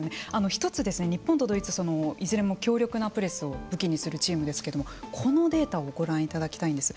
一つ、日本とドイツいずれも強力なプレスを武器にするチームですけれどもこのデータをご覧いただきたいんです。